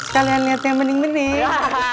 kalian liatnya bening bening